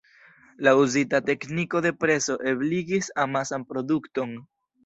La uzita tekniko de preso ebligis amasan produkton.